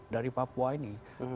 dari papua ini